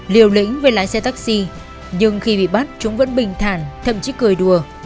liều lĩnh với lái xe taxi nhưng khi bị bắt chúng vẫn bình thản thậm chí cười đùa